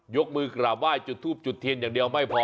ยกมือกราบไหว้จุดทูบจุดเทียนอย่างเดียวไม่พอ